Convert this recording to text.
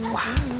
wah pesat pak